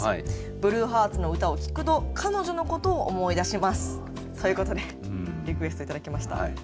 ブルーハーツの歌を聴くと彼女のことを思い出します」。ということでリクエスト頂きました。